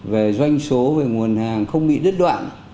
về doanh số về nguồn hàng không bị đứt đoạn